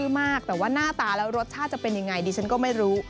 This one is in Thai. มากแต่ว่าหน้าตาแล้วรสชาติจะเป็นยังไงดิฉันก็ไม่รู้